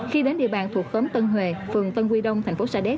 khi đến địa bàn thuộc khóm tân huệ phường tân quy đông tp sa đéc